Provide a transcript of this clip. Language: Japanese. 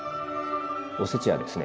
おせちはですね